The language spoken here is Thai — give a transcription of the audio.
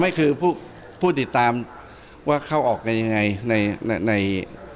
ไม่คือผู้ติดตามว่าเข้าออกกันยังไงในห้องอะไรอย่างนี้ครับ